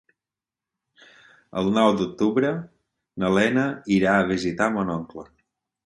El nou d'octubre na Lena irà a visitar mon oncle.